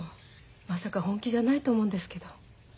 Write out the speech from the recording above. まさか本気じゃないと思うんですけど。